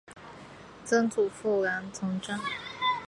曾祖父兰从政。